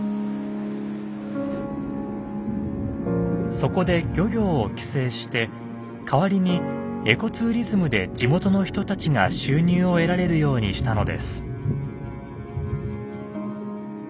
そこで漁業を規制して代わりにエコツーリズムで地元の人たちが収入を得られるようにしたのです。